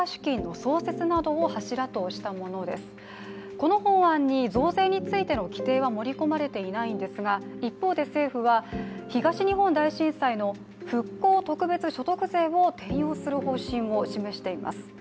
この法案に増税についての規定は盛り込まれていないんですが一方で政府は、東日本大震災の復興特別所得税を転用する方針を示しています。